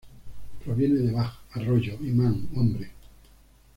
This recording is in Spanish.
Proviene de "Bach", arroyo, y "Mann", hombre.